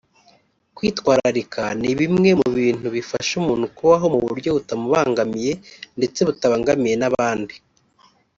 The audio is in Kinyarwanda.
Kwitwararika ni bimwe mu bintu bifasha umuntu kubaho mu buryo butamubangamiye ndetse butabangamiye n’abandi